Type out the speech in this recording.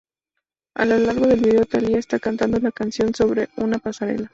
A lo largo del video Thalía está cantando la canción sobre una pasarela.